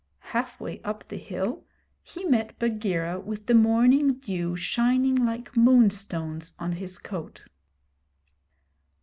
Half way up the hill he met Bagheera with the morning dew shining like moonstones on his coat.